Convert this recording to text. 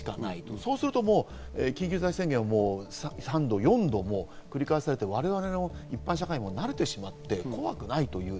そうすると、もう緊急事態宣言は３度４度繰り返されていて、我々の一般社会も慣れてしまって怖くない。